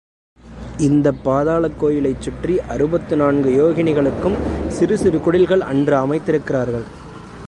இந்தப் பாதாளக் கோயிலைச் சுற்றி அறுபத்து நான்கு யோகினிகளுக்கும் சிறு சிறு குடில்கள் அன்று அமைத்திருக்கிறார்கள்.